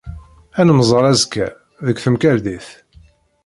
Ad nemmẓer azekka, deg temkarḍit.